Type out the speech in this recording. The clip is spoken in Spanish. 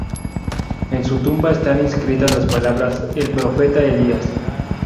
En su tumba están inscritas las palabras "el profeta Elías".